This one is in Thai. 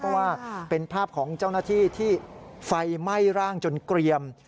เพราะว่าเป็นภาพของเจ้าหน้าที่ที่ไฟไหม้ร่างจนเกรียม